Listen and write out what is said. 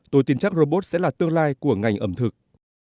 tôi tin chắc robot sẽ là tương lai của ngành ẩm thực